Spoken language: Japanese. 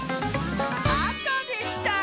あかでした！